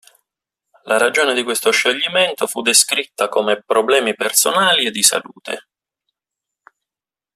La ragione di questo scioglimento fu descritta come "problemi personali e di salute".